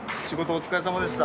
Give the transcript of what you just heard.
お疲れさまでした。